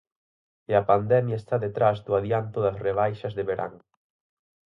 E a pandemia está detrás do adianto das rebaixas de verán.